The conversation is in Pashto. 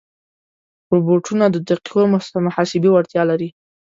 روبوټونه د دقیقو محاسبې وړتیا لري.